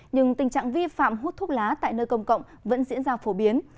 nhưng tình trạng vi phạm hút thuốc lá tại nơi công cộng vẫn diễn ra phổ biến